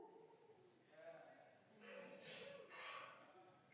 Ve stejném roce přišel Teller o část nohy při dopravní nehodě tramvaje.